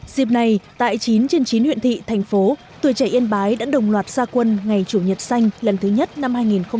dịp này tại chín trên chín huyện thị thành phố tuổi trẻ yên bái đã đồng loạt xa quân ngày chủ nhật xanh lần thứ nhất năm hai nghìn hai mươi